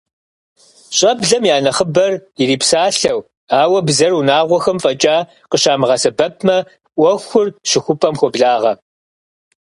ЩӀэблэм я нэхъыбэр ирипсалъэу, ауэ бзэр унагъуэхэм фӀэкӀа къыщамыгъэсэбэпмэ, Ӏуэхур щыхупӏэм хуоблагъэ.